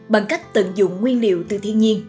bằng cách tận dụng nguyên liệu từ thiên nhiên